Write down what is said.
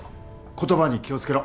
言葉に気を付けろ。